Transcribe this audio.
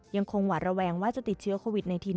ยังคงหวัดระแวงว่าจะติดเชื้อโควิดในทิน